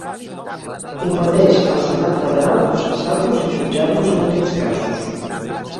Competeix al Senat Federal processar-los i jutjar-los en aquests casos.